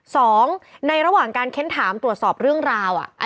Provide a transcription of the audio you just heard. สองในระหว่างการเค้นถามตรวจสอบเรื่องราว